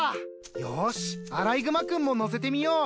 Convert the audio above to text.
よしアライグマ君ものせてみよう。